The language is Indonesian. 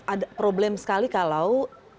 ada problem sekali kalau